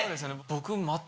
僕。